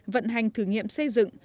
vận hành thử nghiệm xây dựng